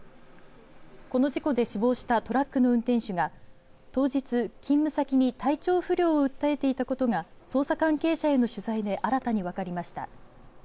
この事故で死亡したトラックの運転手が当日、勤務先に体調不良を訴えていたことが捜査関係者への取材で新たに分かりました。